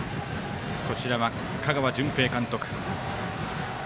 こちらは香川純平監督。